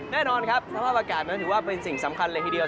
แน่นอนครับสภาพอากาศนั้นถือว่าเป็นสิ่งสำคัญเลยทีเดียว